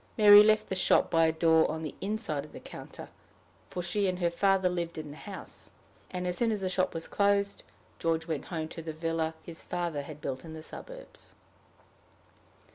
Mary left the shop by a door on the inside of the counter, for she and her father lived in the house; and, as soon as the shop was closed, George went home to the villa his father had built in the suburbs.